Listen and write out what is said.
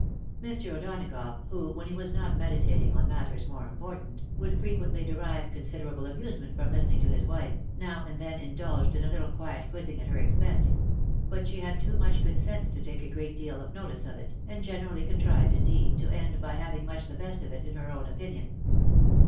Mr. O'Donagough, who, when he was not meditating on matters more important, would frequently derive considerable amusement from hstening to his vrife, now and then indulged in a httle quiet quizzing at her expense ; but she had too much good sense to take a great deal of notice of it, and generally contrived, indeed, to end by having much the best of it in her own opinion.